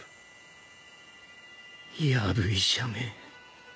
やぶ医者め。